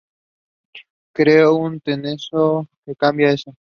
Creo que tenemos que cambiar eso".